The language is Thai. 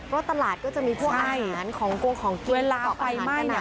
เพราะตลาดก็จะมีพวกอาหารของกินกับอาหารขนาด